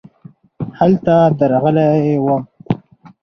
هلته درغلی وم .